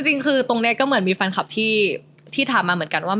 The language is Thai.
จริงคือตรงนี้ก็เหมือนมีแฟนคลับที่ถามมาเหมือนกันว่า